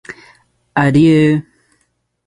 Adieu.